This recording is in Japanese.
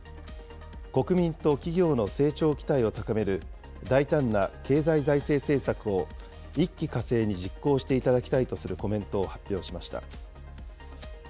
国民と企業の成長期待を高める大胆な経済財政政策を一気かせいに実行していただきたいとするコメントを発表しました。